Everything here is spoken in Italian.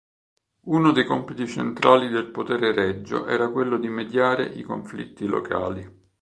Uno dei compiti centrali del potere regio era quello di mediare i conflitti locali.